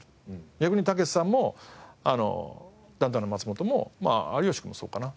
逆にたけしさんもダウンタウンの松本も有吉くんもそうかな。